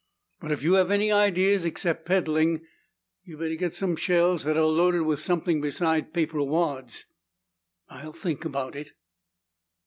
But if you have any ideas except peddling, you'd better get some shells that are loaded with something besides paper wads." "I'll think about it."